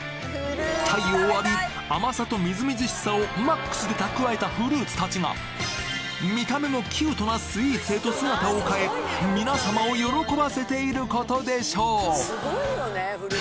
太陽を浴び甘さとみずみずしさをＭＡＸで蓄えたフルーツたちが見た目もキュートなスイーツへと姿を変え皆さまを喜ばせていることでしょう！